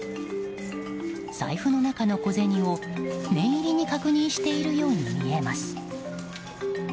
財布の中の小銭を、念入りに確認しているように見えます。